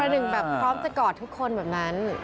หนึ่งแบบพร้อมจะกอดทุกคนแบบนั้น